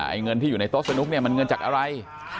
ไอ้เงินที่อยู่ในโต๊ะสนุกมันเงินจากอะไร